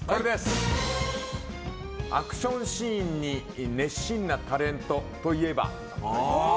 アクションシーンに熱心なタレントといえば？